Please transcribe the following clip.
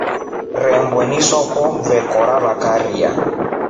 Rebweru soko vekora vakaria.